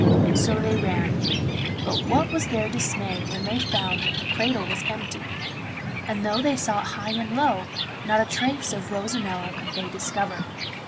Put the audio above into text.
So they ran; but what was their dismay when they found that the cradle was empty; and though they sought high and low, not a trace of Rosanella could they discover.